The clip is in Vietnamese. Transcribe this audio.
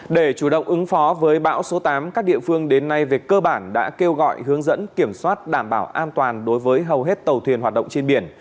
để chủ động ứng phó với bão số tám các địa phương đến nay về cơ bản đã kêu gọi hướng dẫn kiểm soát đảm bảo an toàn đối với hầu hết tàu thuyền hoạt động trên biển